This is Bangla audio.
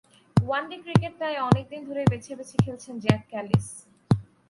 ওয়ানডে ক্রিকেট তাই অনেক দিন ধরেই বেছে বেছে খেলছেন জ্যাক ক্যালিস।